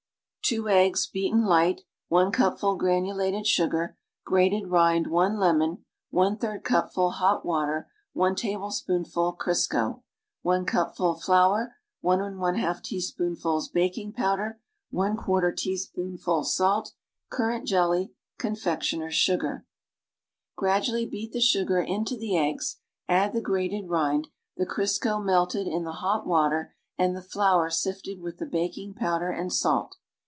50 JELLY ROLL 2 eggs, beaten light 1 cupful granulated sugar grated rind 1 lemon J3 cupful hot water 1 tablespoonful Crisco 1 cupful flour '^14 teaspiionfuls baking powder ]i teaspoonful salt currant jelly confectioner's sugar Gradually beat the sugar into the eggs, add the grated rind, the Crisco melted in the hot water and the flour sifted with the baking powder and salt.